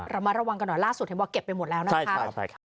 เรามาระวังกันหน่อยล่าส่วนที่เห็นว่าเก็บไปหมดแล้วนะครับ